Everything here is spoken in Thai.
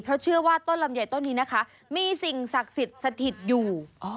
เพราะเชื่อว่าต้นลำไยต้นนี้นะคะมีสิ่งศักดิ์สิทธิ์สถิตอยู่